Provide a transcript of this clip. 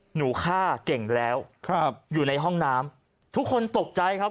หนูฆ่าเก่งแล้วครับอยู่ในห้องน้ำทุกคนตกใจครับ